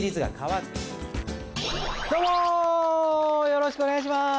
よろしくお願いします。